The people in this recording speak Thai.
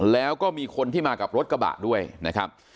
แล้วก็มีคนที่มากับรถกระบะด้วยนะครับ